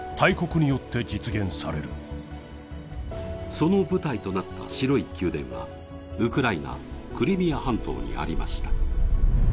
その舞台となった白い宮殿はウクライナ・クリミア半島にありました。